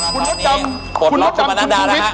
คุณมดดำคุณมดดำคุณชุวิท